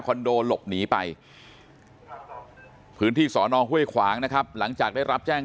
โดหลบหนีไปพื้นที่สอนอห้วยขวางนะครับหลังจากได้รับแจ้ง